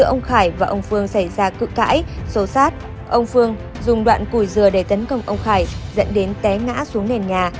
ông phương dùng đoạn cùi dừa để tấn công ông khải dẫn đến té ngã xuống nền nhà